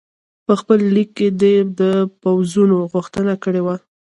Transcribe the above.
په خپل لیک کې دې د پوځونو غوښتنه کړې وه.